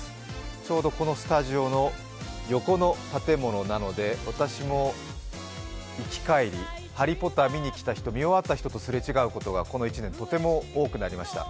ちょうどこのスタジオの横の建物なので、私も行き帰り、「ハリー・ポッター」見に来た人、見終わった人とすれ違うことがこの１年、とても多くなりました。